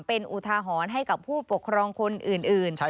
เป็นอุทาหรณ์ให้กับผู้ปกครองคนอื่น